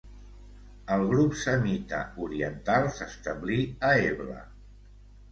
El grup semita oriental s'establí a Ebla.